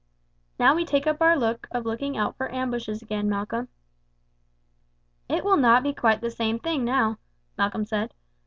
"Now we take up our work of looking out for ambushes again, Malcolm." "It will not be quite the same thing now," Malcolm said.